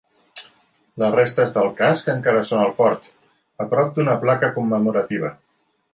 Les restes del casc encara són al port, a prop d'una placa commemorativa.